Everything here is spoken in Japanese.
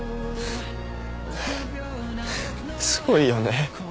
すごいよね。